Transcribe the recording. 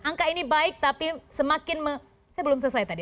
angka ini baik tapi semakin saya belum selesai tadi